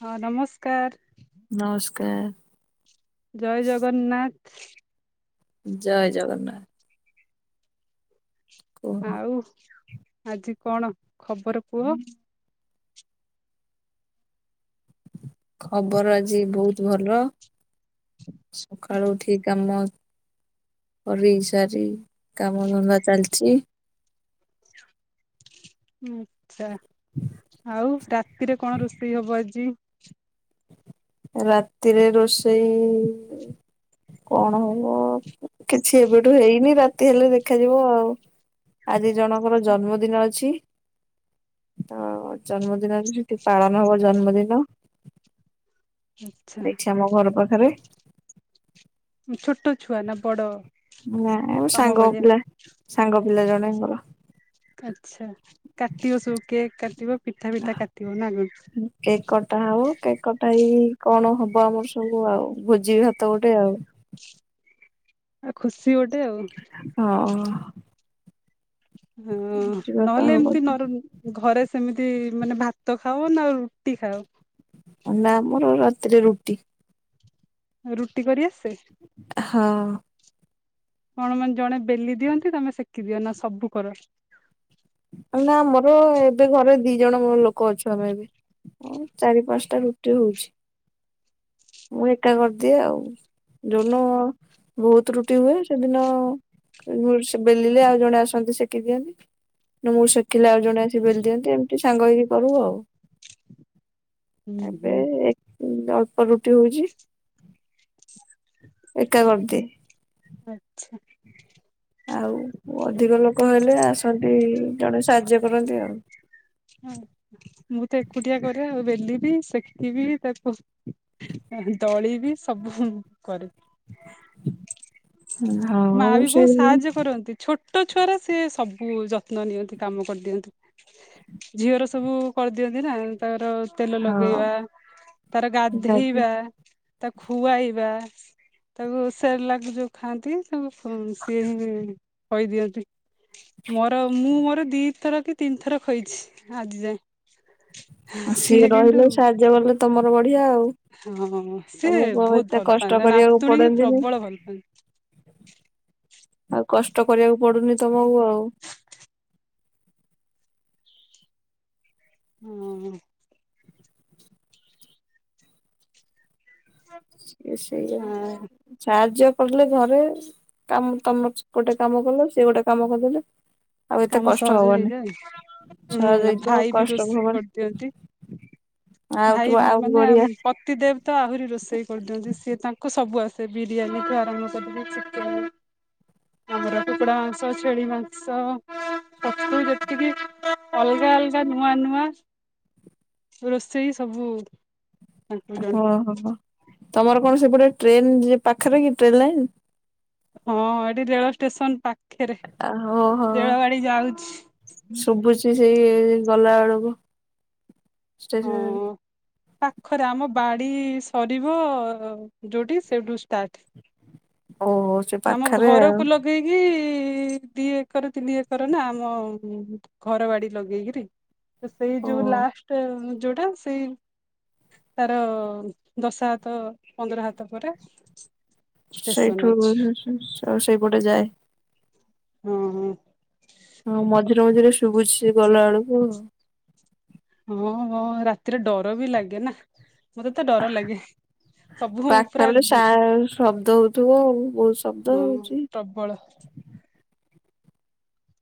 ହଁ ନମସ୍କାର। ନମସ୍କାର। ଜୟ ଜଗନ୍ନାଥ। ଜୟ ଜଗନ୍ନାଥ। କୁହ ଆଉ ଆଜି କଣ ଖବର କୁହ? ଖବର ଆଜି ବହୁତ ଭଲ। ସକାଳୁ ଉଠି କାମ କରି ସାରି କାମ ଧନ୍ଦା ଚାଲିଛି। [inaudible] ଆଛା ଆଉ ରାତିରେ କଣ ରୋଷେଇ ହବ ଆଜି? ରାତିରେ ରୋଷେଇ-ଇ-ଇ-ଇ କଣ ହବ କିଛି ଏବେଠୁ ହେଇନି ରାତି ହେଲେ ଦେଖାଯିବ ଆଉ। ଆଜି ଜଣଙ୍କର ଜନ୍ମଦିନ ଅଛି। ତ ଜନ୍ମଦିନ ସେଠି ପାଳନ ହବ ଜନ୍ମଦିନ। ଆଚ୍ଛା ଆଇଛା ମ ଘର ପାଖରେ। ଛୋଟ ଛୁଆ ନା ବଡ। ନା ଆଉ ତମ ସାଙ୍ଗ ଭଳିଆ ପିଲା ସାଙ୍ଗ ପିଲା ଜଣଙ୍କର। ଆଛା କାଟିବ ସବୁ କେକ୍ କାଟିବ। ପିଠା ପିଠା କାଟିବ ନା କଣ କେକ କଟା ହଉ କେକ କଟା ହେଇ କଣ ହବ ଆମର ସବୁ ଆଉ ଭୋଜି ଭାତ ଗୋଟେ ଆଉ। ଆଉ ଖୁସି ଗୋଟେ ଆଉ। ହଁ ହଁ ଭୋଜି ଭାତ ନହେଲେ ହବ ଏମିତି ନ ଘରେ ସେମିତି ମାନେ ଭାତ ଖାଅ ନା ରୁଟି ଖାଅ? ନା ଆମର ରାତିରେ ରୁଟି। ରୁଟି କରି ଆସେ? ହଁ। କଣ ମାନେ ଜଣେ ବେଲି ଦିଅନ୍ତି ତମେ ସେକି ଦିଅ ନା ସବୁ କର? ନା ଆମର ଏବେ ଘରେ ଦି ଜଣ ଲୋକ ଅଛୁ ଆମେ ଏବେ। ଚାରି ପାଞ୍ଚଟା ରୁଟି ହଉଛି ମୁଁ ଏକା କରିଦିଏ ଆଉ। ଯଉଦିନ ବହୁତ ରୁଟି ହୁଏ ସେଦିନ [unintelligible] ବେଲିଲେ ଆଉ ଜଣେ ଆସନ୍ତି ସେକି ଦିଅନ୍ତି। ନା ମୁଁ ଶିଖିଲା ଆଉ ଜଣେ ଆସ ବେ ବୋଲି ଦିଅନ୍ତି ଏମିତି ସାଙ୍ଗ ହେଇକି କରିବୁ ହୁଁ ଆଉ। ଏବେ ହୁଁ ଏକ ଅଳ୍ପ ରୁଟି ହଉଛି ଏକା କରିଦିଏ। ଆଚ୍ଛା। ଆଉ ଅଧିକ ଲୋକ ହେଲେ ଆସନ୍ତି ଜଣେ ସାହାଯ୍ୟ କରନ୍ତି ଆଉ। ହ ମୁଁ ତ ଏକୁଟିଆ କରେ ଆଉ ବେଲିବି ସେକିବି ତାକୁ ଦଳି ବି ସବୁ ମୁଁ କରେ। ହଁ ମା ମୁଁ ବି ସେ ବହୁତ ସାହାଯ୍ୟ କରନ୍ତି ଛୋଟ ଛୋଟ ଛୁଆର ସେ ସବୁ ଯତ୍ନ ନିଅନ୍ତି କାମ କରିଦିଅନ୍ତି। ଝିଅର ସବୁ କରିଦିଅନ୍ତି ନା ତାର ତେଲ ହଁ ଲଗେଇବା, ତାର ଠିକ ଅଛି। ଗାଧେଇବା। ତାକୁ ଖୁଆଇବା ତାକୁ ସୋରଲାଗ ଯଉ ଖାଆନ୍ତି ତା ସିଏ ହ କହିଦିଅନ୍ତି ମୋର ମୁଁ ମ ଆର ଦି ଥର କି ତିନି ଥର ଖଇଛି ଆଜି ଯାଏ। ଆଉ ସିଏ ରହିଲେ ସାହାଯ୍ୟ କଲେ ତମର ବଢିଆ ଆଉ। ହଁ ସିଏ ତମକୁ ଆଉ ବହୁତ ଏତେ ଭଲ କଷ୍ଟ ପାାଆନ୍ତା କରିବାକୁ ନାତୁଣୀ କି ପଡନ୍ତିନି ପ୍ରବଳ ଭଲ ପାଆ ଆଉ କଷ୍ଟ କରିବାକୁ ପଡୁନି ତମକୁ ଆଉ ହଁ। ସେ ସେଇ ହଁ [unintelligible] ସାହାଯ୍ୟ [unintelligible] ଘରେ କାମ ତମ ସେପଟେ କାମ କଲେ, ସିଏ ଗୋଟେ କାମ କରିଦେଲେ ଆଉ ଏତେ କାମ କଷ୍ଟ ସହଜ ହବନି ହେଇଯାଏ। ହୁଁ, ସହଜ ହେଇଯିବ ଆଉ ଭାଇ ବି କଷ୍ଟ ରୋଷେଇ ହବନି କରିଦିଅନ୍ତି। ଆଉ ତୁ ଭାଇ ଆହୁରି ମାନେ ଆମ୍ ବଢିଆ ପତି ଦେବ୍ ତ ଆହୁରି ରୋଷେଇ କରିଦିଅନ୍ତି। ସିଏ ତାଙ୍କୁ ସବୁ ଆସେ ବିରିୟାନୀ ଠୁ ଆରମ୍ଭ କରିିକି। [inaudible] ଆମର କୁକୁଡ଼ା ମାଂସ ଛେଳି ମାଂସ [unintelligible] ଯେତିକି ଅଲଗା ଅଲଗା ନୂଆ ନୂଆ ରୋଷେଇ ସବୁ ତାଙ୍କୁ ଜଣା। ଓହୋ ତମର କଣ ସେପଟେ ଟ୍ରେନ, [unintelligible] ପାଖରେ କି ଟ୍ରେନ୍ ଲାଇନ୍? ହଁ, ଏଠି ରେଳ ଷ୍ଟେସନ ପା ହଁ ହଁ ଶୁଭୁଛି। [unintelligible] ଗଲା ବେଳକୁ ଷ୍ଟେସ ହଁ। ପାଖରେ, ଆମ ବାଡି ସରିବ ଯୋଉଠି ସେଇଠୁ ଷ୍ଟାର୍ଟ। ଓହୋ ସେ ଆମ ପାଖରେ ଆଉ ଘରକୁ ଲଗେଇକି [unintelligible] ଦି ଏକର ତିନି ଏକର ନା, ଆମ ଘର ବାଡି ଲଗେଇ କିରି ସେଇ, ଓ ଯୋଉ ଲାଷ୍ଟ ଯୋଉଟା ସେଇ ତାର, ଦଶ ହାତ ପନ୍ଦର ହାତ ପରେ ଷ୍ଟେସନ ସେଇଠୁ ଅଛି [unintelligible] ସେଇପଟେ ଯାଏ। ହଁ ହଁ ହଁ, ମଝିରେ ମଝିରେ ଶୁଭୁଛି। ସେ ଗଲା ବେଳକୁ ହଁ ହଁ, ରାତିରେ ଡର ବି ଲାଗେ ନା, ମତେ ତ ଡର ଲାଗେ। ସବୁ ପୁରା ପାଖରେ ସା ଶବ୍ଦ ହଉଥିବ ଆଉ ବହୁତ ଶବ୍ଦ ହଁ ହଉଛି। ପ୍ରବଳ [inaudible]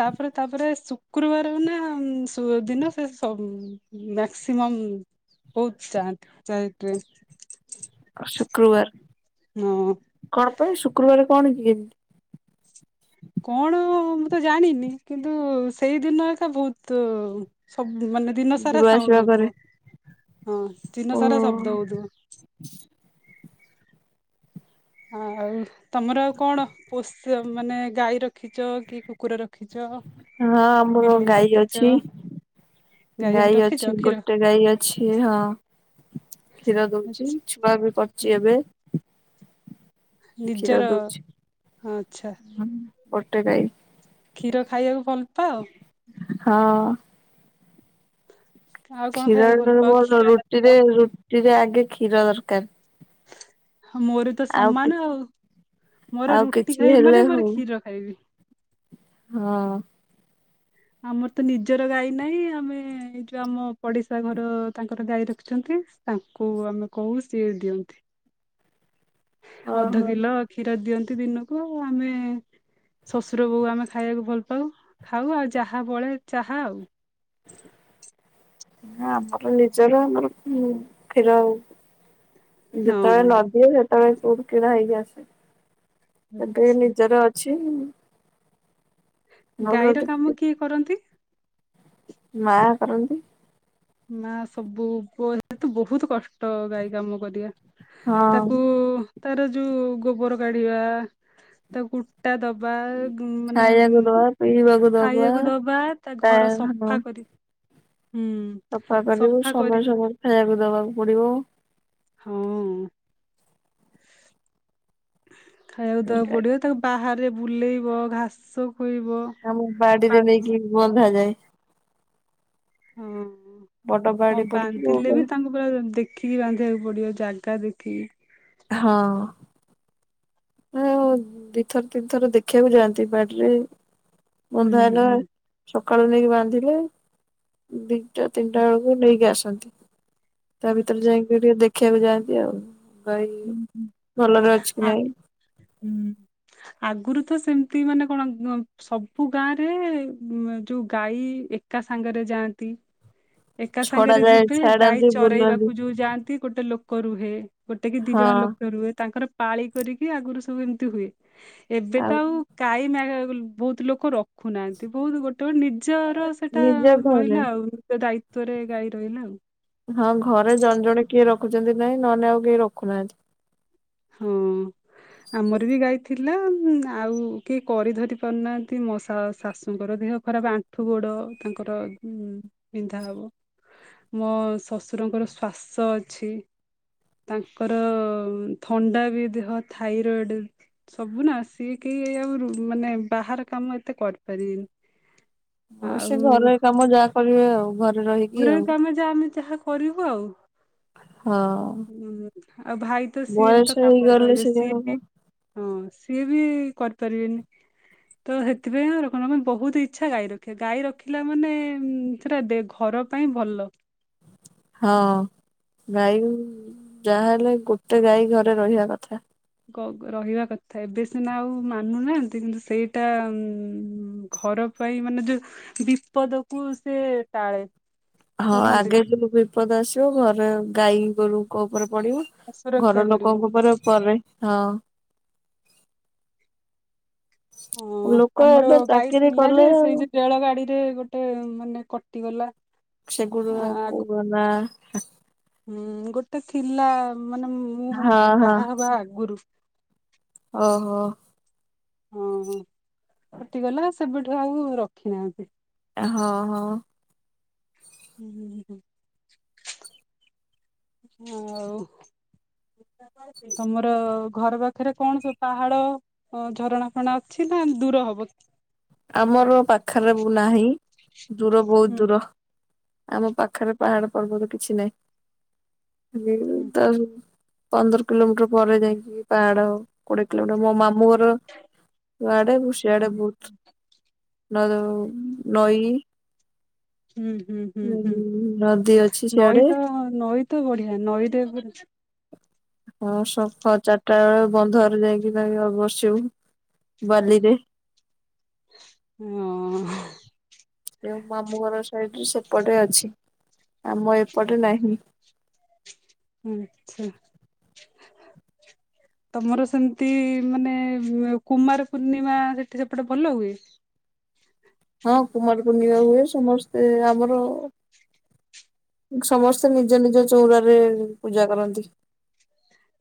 ତାପରେ, ତାପରେ ଶୁକ୍ରବାର ନା [unintelligible] ଦିନ ସେ ମ୍ୟାକ୍ସିମମ୍ ହୁଁ ବହୁତ୍ ଚାହାନ୍ତି ଯାଏ ଟ୍ରେନ। ଶୁକ୍ରବାର, ହଁ କଣ ପାଇଁ ଶୁକ୍ରବାର କଣ। [unintelligible] କଣ ମୁଁ ଜାଣିନି କିନ୍ତୁ, ସେଇ ଦିନ ଏକା ବହୁତ୍ ମାନେ, ଦିନ ସାରା ଯିବା ସାଉଣ୍ଡ ଆସିବା କରେ ହଉଥିବ। ହଁ, ଦିନ ଓ ସାରା ଶବ୍ଦ ହଉଥିବ। ଆଉ ତମର କଣ ପୋ [unintelligible] ମାନେ ଗାଈ ରଖିଛ। କି କୁକୁର ରଖିଛ। ହଁ କି ଆମର ବିଲେଇ ଗାଈ ରଖିଛ ଅଛି। ଗାଈ ଅଛି, ରଖିଛ କ୍ଷୀର ଗୋଟେ ଗାଈ ଅଛି ହଁ କ୍ଷୀର ଦଉଛି, ଆଛା ଛୁଆ ବି କରିଛି ଏବେ କ୍ଷୀର ନିଜର ଦଉଛି ଆଚ୍ଛା [unintelligible] ଗୋଟେ ଗାଈ। କ୍ଷୀର ଖାଇବାକୁ ଭଲ ପାଅ? ହଁ। ଆଉ କଣ କ୍ଷୀର ଖାଇବାକୁ ଭଲ ପାଅ [unintelligible] କ୍ଷୀର ଜାତୀୟ ରୁଟିରେ, ରୁଟିରେ ଆଗେ କ୍ଷୀର ଦରକାର। ମୋର ତ ସମାନ ଆଉ ମୋର ଆଉ ରୁଟି କିଛି ଖାଇବି ହେଲେ ମାନେ ମୋର ହଉ କ୍ଷୀର ଖାଇବି। ହଁ। ଆମର ତ ନିଜର ଗାଈ ନାହିଁ ଆମେ ଏଇ ଯୋଉ ଆମ ପଡିଶା ଘର ତାଙ୍କର ଗାଈ ରଖିଚନ୍ତି। ତାଙ୍କୁ ଆମେ କହୁ ସିଏ ଦିଅନ୍ତି। ଅଧ ଓହୋ। କିଲ କ୍ଷୀର ଦିଅନ୍ତି, ଦିନକୁ ଆଉ ଆମେ ଶ୍ୱଶୁର ବୋହୂ ଆମେ ଖାଇବାକୁ ଭଲ ପାଉ, ଖାଉ ଆଉ ଯାହା ବଳେ ଚାହା ଆଉ ନା ଆମର ନିଜର ଆମର ଉଁ କ୍ଷୀର ଯେତେବେଳେ ହଁ ନଦିଏ, ସେତେବେଳେ କୋଉଠୁ କିଣା ହେଇକି ଆସେ ଏବେ ଆଚ୍ଛା ନିଜର ଅଛି। [unintelligible] ମୋର ଗାଈର ଟିକେ କାମ କିଏ କରନ୍ତି? ମା କରନ୍ତି। ମା ସବୁ ତ ବହୁତ କଷ୍ଟ ଗାଈ କାମ କରିବା। ହଁ ତାକୁ ତାର ଯୋଉ ଗୋବର କାଢିବା ତାକୁ କୁଟା ଦବା ଉଁ ମାନେ ଖାଇବାକୁ ଦବା ପିଇବାକୁ ଦବା ଖାଇବାକୁ ଦବା ତା ଘର ସଫା କରି ହୁଁ। ସଫା କରିବୁ ସମୟ ସମୟରେ ଖାଇବାକୁ ଦବାକୁ ପଡିବ। ହୁଁ। ଖାଇବାକୁ ଦେବାକୁ ପଡ଼ିବ ତାଙ୍କୁ ବାହାରେ ବୁଲେଇବ ଘାସ ଖୋଇବ ଆମ ବା ବାଡିରେ ନେଇକି ବନ୍ଧାଯାଏ। ହଁ ବଡ ବାଡି କଣ ପଡିଛି ବାନ୍ଧିଲେ ଯୋଉ ବି ତାଙ୍କୁ ପୁରା ଦେଖ ଖୀକି ବାନ୍ଧିବାକୁ ପଡିବ ଜାଗା ଦେଖିକି। ହଁ। ଆଉ ଦିଥର ତିନି ଥର ଦେଖିବାକୁ ଯାଆନ୍ତି ବାଡିରେ। ହୁଁ ବନ୍ଧାହେନେ ହୁଁ ସକାଳୁ ନେଇକି ବାନ୍ଧିଲେ ଦି ଦିଟା ତିନିଟା ବେଳକୁ ନେଇକି ଆସନ୍ତି। ତା ହୁଁ ଭିତରେ ଯାଇକି ଟିକେ ଦେଖିବାକୁ ଯାଆନ୍ତି ଆଉ। ଗାଈ ହୁଁ। ଭଲରେ ଅଛି କି ଆ ନାଇଁ। ହୁଁ। ଆଗରୁ ତ ସେମିତି ମାନେ କଣ, କ ସବୁ ଗାଁ ରେ ମ୍ ଯୋଉ ଗାଈ ଏକା ସାଙ୍ଗରେ ଯାଆନ୍ତି। ଏକା ଛଡା ସାଙ୍ଗରେ ଯାଏ ଯିବେ ଗାଈ ଛାଡନ୍ତି ବୁଲନ୍ତି ଚରେଇବାକୁ ଯୋଉ ଯାଆନ୍ତି ଗୋଟେ ଲୋକ ରୁହେ। ଗୋଟେ କି ଦି ହଁ ଜଣ ଲୋକ ରୁହେ ତାଙ୍କର ପାଳି କରିକି ଆଗରୁ ସବୁ ଏମିତି ହୁଏ। ଏବେ ତ ଆଉ କାଇ ମା ବହୁତ ଲୋକ ରଖୁନାହାନ୍ତି ବହୁତ ଗୋଟେ ତୋ ନିଜର ସେଟା ନିଜ ଘରେ ରହିଲା ଆଉ। ନିଜ ଦାୟିତ୍ଵରେ ଗାଈ ରହିଲା ଆଉ ହଁ ଘରେ ଜଣେ ଜଣେ କି କିଏ ରଖୁଚନ୍ତି ନାଇଁ ନହ ନେ ଆଉ କିଏ ରଖୁନାହାନ୍ତି। ହୁଁ। ଆମର ବି ଗାଇଥିଲା ଆଉ କିଏ କରି ଧରି ପାରୁନାହାନ୍ତି ମୋ ଶ ଶାଶୁଙ୍କର ଦେହ ଖରାପ ଆଣ୍ଠୁ ଗୋଡ ତାଙ୍କର ଉ ବିନ୍ଧା ହବ। ମୋ ଶ୍ୱଶୁରଙ୍କର ଶ୍ଵାସ ଅଛି ତାଙ୍କର ଥଣ୍ଡା ବି ଦେହ ଥାଇରଏଡ ସବୁ ନା, ସିଏ କିଏ ଆଉ ମାନେ ବାହାର କାମ ମ ଏତେ କରିପାରିବିନି। ହଁ ସେ ଘରୋଇ କାମ ଯାହା କରିବେ ଆଉ। ଘରେ ରହିକି ଘରୋଇ ଆଉ କାମ ଯା ଆମେ ଯାହା କରିବୁ ଆଉ। ହଁ। ହୁଁ ଆଉ ଭାଇ ତ ସିଏ ବି ବୟସ ତ କାମରେ ହେଇଗଲେ ରହିବେ ସେଇଆ ସିଏ ହବ ବି ହଁ ସିଏ ବି କରିପାରିବେନି। ତ ହେଥିପାଇଁ ଆଉ ରଖୁନୁ କିନ୍ତୁ ବହୁତ ଇଛା ଗାଈ ରଖିବା ଗାଈ ରଖିଲା ମାନେ ସେଟା ଡେ ଘ ଘର ପାଇଁ ଭଲ। ହଁ। ଗାଈ ଯାହା ହେଲେ ଗୋଟେ ଗାଈ ଘରେ ରହିବା କଥା। କ ରହିବା କଥା, ଏବେ ସିନା ଆଉ ମାନୁନାହାନ୍ତି। କିନ୍ତୁ ସେଇଟା ଉ ଘର ପାଇଁ ମାନେ ଯୋଉ ବିପଦ କୁ ସେ ଟାଳେ। ହଁ କୁହନ୍ତି ଆଗେ ଯଉ ବିପଦ ଆସିବ। ଘରେ ଗାଈ ଗୋରୁଙ୍କୋ ଉପରେ ପଡିବ ସୁରକ୍ଷା ଘର କରିବ ଲୋକଙ୍କ ଉପରେ ପରେ। ହଁ। ହ ଲୋକ ଆମର ଏବେ ଗାଈ ଚାକିରି ଥିଲା କଲେ ଯେ, ଆଉ। ସେଇ ଯେ ରେଳ ଗାଡି ରେ ଗୋଟେ ମାନେ କଟିଗଲା। ସେଗୁଗ ଆ- ଆଗ କୁହନା। ହୁଁ ଗୋଟେ ଥିଲା ମାନେ ମୁଁ ହଁ ବାହା ହେବା ଆଗରୁ। ଓ ହୋ। ହଁ କଟିଗଲା ସେବେଠୁ ଆଉ ରଖିନାହାନ୍ତି। ଆ ହଁ ହଁ ହୁଁ ହୁଁ ହୁଁ ହୁଁ ଆଉ ତମର ଘର ପାଖରେ କଣ ସବୁ ପାହାଡ ଝରଣା ଫରଣା ଅଛି ନା। ଦୂର ହବ ଆମର ପାଖରେ-ବୁ ନାହିଁ ଦୂର ବହୁତ ହୁଁ ଦୂର ଆମ ପାଖରେ ପାହାଡ ପର୍ବତ କିଛି ନାହିଁ। ହୁଁ [unintelligible] ପନ୍ଦର କିଲୋମିଟର ପରେ ଯାଇଁକି ପାହାଡ କୋଡିଏ କିଲୋମିଟର ମୋ ମାମୁ ଘର ଲୋ ଆଡେ ବୁଷ ସାଡେ ହୁଁ ବହୁତ ନଦ ନଈ ହୁଁ ହୁଁ ହୁଁ ହୁଁ ନଦୀ ଅଛି ନଈ ସିଆଡେ ତ ନଈ ତ ବଢିଆ ନଈ ହଁ ସକାଳ ଚାରଟା ବେଳେ ବନ୍ଧରେ ଯାଇଁକି ନା ବସିବୁ ବାଲିରେ ନାଆଁ ଯେ ମାମୁଁ ଘର ସାଇଡ ସେପଟେ ଅଛି। ଆମ ଏପଟେ ନାହିଁ। ହୁଁ ହୁଁ। ତମର ସେମିତି ମାନେ କୁମାର ପୂର୍ଣ୍ଣିମା ସେଠି ସେପଟେ ଭଲ ହୁଏ। ହଁ କୁମାର ପୂର୍ଣ୍ଣିମା ହୁଏ ସମସ୍ତେ ଆମର ସମସ୍ତେ ନିଜ ନିଜ ଚଉଁରାରେ ପୂଜା କରନ୍ତି।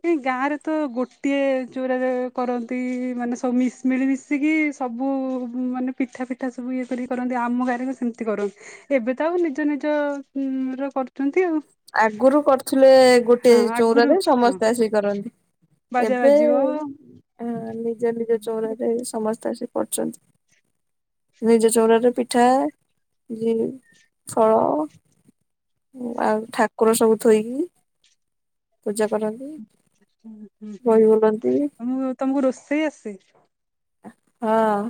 ଏଇ ଗାଁରେ ତ ଗୋଟିଏ ଚୋରାରେ କରନ୍ତି ମାନେ ସବୁ ମିଶି ମିଲିମିଶିକି ସବୁ ମାନେ ପିଠା ପିଠା ସବୁ ଇଏ କରି କରନ୍ତି ଆମ ଗାଁରେ ସେମିତି କରନ୍ତି ଏବେ ତ ଆଉ ନିଜ ନି ନିଜ ର କରୁଛନ୍ତି ଆଉ। ଆଗୁରୁ କରୁଥିଲେ ଗୋଟେ ହଁ ଆଗରୁ ଚଉରାରେ ହଁ ସମସ୍ତେ ଆସିକି କରନ୍ତି ବାଜା ଏବେ ବାଜିବ ହୁଁ ନିଜ ନିଜ ଚଉଁରାରେ ସମ ସମସ୍ତେ ଅସିକି କରୁଛନ୍ତି। ନିଜ ଚଉଁରାରେ ପିଠା ଯୋଉ ଫଳ ଆଉ ଠାକୁର ସବୁ ଥୋଇକି ପୂଜା କରନ୍ତି। ହୁଁ ହୁଁ ବହି ହୁଁ ବୁଲନ୍ତି ତମକୁ ତମକୁ ରୋଷେଇ ଆସେ ଆ ହଁ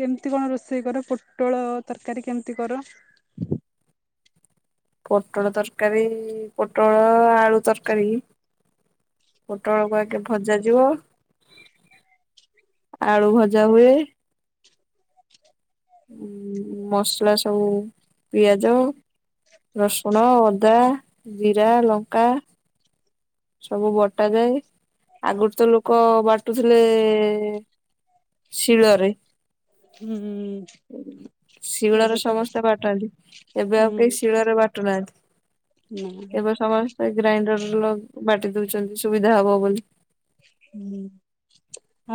କେମିତି କଣ ରୋଷେଇ କର ପୋଟଳ ତରକାରୀ କେମିତି କର? ପୋଟଳ ତରକାରୀ ପୋଟଳ ଆଳୁ ତରକାରୀ ପୋଟଳକୁ ଆଗେ ଭଜା ଯିବ। ଆଳୁ ଭଜା ହୁଏ। ଉଁ ଉଁ ମସଲା ସବୁ ପିଆଜ ରସୁଣ ଅଦା ଜିରା ଲଙ୍କା ସବୁ ବଟାଯାଏ ଆଗରୁ ତ ଲୋକ ବାଟୁଥିଲେ-ଏ-ଏ-ଏ ଶିଳରେ ହୁଁ। ଶିଳରେ ଏବେ ତ ସମସ୍ତେ ବାଟନ୍ତି ଏବେ ହୁଁ ଆଉ କେହି ଶିଳରେ ବାଟୁ ନାହାନ୍ତି। ନା ଏବେ ସମସ୍ତେ ଗ୍ରାଇଣ୍ଡରର ବାଟି ଦଉଛନ୍ତି ସୁବିଧା ହବ ବୋଲି। ହୁଁ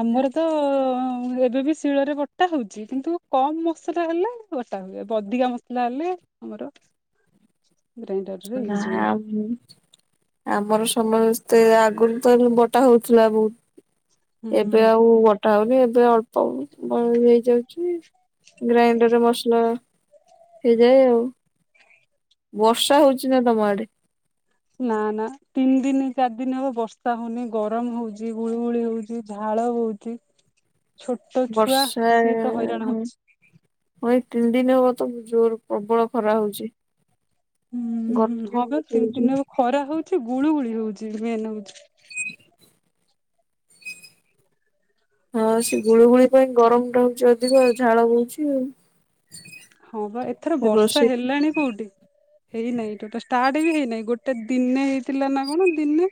ଆମର ତ-ଅ-ଅ-ଅ-ଅ ହୁଁ ଏବେ ବି ଶିଳରେ ବଟା ହଉଛି କିନ୍ତୁ କମ୍ ମସଲା ହେଲେ ବଟା ହୁଏ ଅଧିକା ମସଲା ହେଲେ ଆମର ଗ୍ରାଇଣ୍ଡରରେ ନା ୟୁଜ ହୁଏ ଆଉ-ଉ-ଉ-ଉ ଆମର ସମସ୍ତେ ଆଗରୁ ତ ବଟା ହଉଥିଲା ବହୁତ। ଏବେ ହୁଁ ଆଉ ବ ଆହୁରି ଏବେ ଅଳ୍ପ ଅ-ଅ-ଅ ବନେଇ ହେଇଯାଉଛି ଗ୍ରାଇଣ୍ଡରରେ ମସଲା ହେଇ ଯାଏ ଆଉ। ବର୍ଷା ହଉଚି ନା ତମ ଆଡେ? ନା ନା ତିନ ଦିନ ଚାରି ଦିନ ହବ ବର୍ଷା ହଉନି ଗରମ ହଉଛି ଗୁଳୁଗୁଳି ହଉଛି। ଝାଳ ଝାଳ ବୋହୁଛି, ଛୋଟ ଛୁଆ ବର୍ଷା ସିଏ ତ ହଇରାଣ ହଁ ହଉଛି। ହଁ ତିନି ଦିନ ହବ ତ ଜୋର ପ୍ରବଳ ଖରା ହଉଛି। ହୁଁ ହୁଁ ହୁଁ ଗରମ ହୁଁ ବି ହଁବା ବହୁତ ତିନି ହଉଛି। ଦିନି ଖରା ହଉଛି ଗୁଳୁ ଗୁଳି ହଉଛି ମେନ୍ ହଉଛି। ହ ହଁ ସେ ଗୁଳିୁଗୁଳି ପାଇଁ ଗରମ ଟା ହଉଛି ଅଧିକ ଝାଳ ବହୁଛି ଆଉ। ହଁ ବା ଏଥର ବର୍ଷା ରୋଷେଇ ହେଲାଣି କୋଉଠି। ହେଇନାଇଁ ଟୋଟା ଷ୍ଟାର୍ଟ ବି ହେଇନାହିଁ ଗୋଟେ ଦିନେ ହେଇଥିଲା ନା କଣ ଦିନେ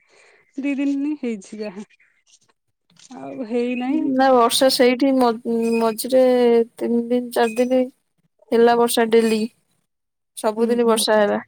ଦି ଦିନି ହେ ଇଛି ହା ଆଉ ହେଇନାହିଁ ନା ବର୍ଷା ସେଇଠି ମ ଉ-ଉ-ଉ ମଝିରେ ତିନି ଦିନି ଚାରି ଦିନି ହେଲା ବର୍ଷା ଡେଲି। ହୁଁ ସବୁଦିନି ହୁଁ। ବର୍ଷା ହେଲା।